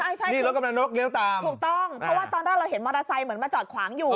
ใช่นี่รถกำลังนกเลี้ยวตามถูกต้องเพราะว่าตอนแรกเราเห็นมอเตอร์ไซค์เหมือนมาจอดขวางอยู่